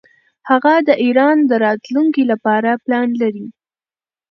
هغه د ایران د راتلونکي لپاره پلان لري.